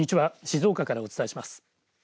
静岡からお伝えします。